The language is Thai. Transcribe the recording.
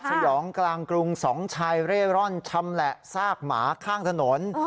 สยองกลางกรุง๒ชายเร่ร่อนชำแหละซากหมาข้างถนน